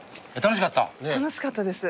楽しかったです。